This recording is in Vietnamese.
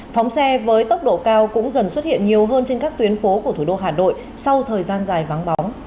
phóng xe với tốc độ cao cũng dần xuất hiện nhiều hơn trên các tuyến phố của thủ đô hà nội sau thời gian dài vắng bóng